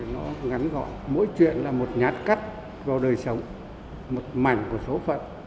nó ngắn gọn mỗi chuyện là một nhát cắt vào đời sống một mảnh của số phận